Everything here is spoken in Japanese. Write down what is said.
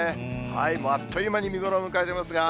もうあっという間に見頃を迎えていますが。